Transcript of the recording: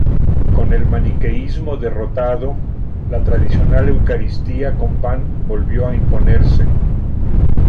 Con el maniqueísmo derrotado, la tradicional eucaristía con pan volvió a imponerse.